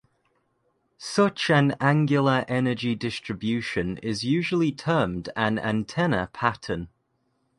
Such an angular energy distribution is usually termed an antenna pattern.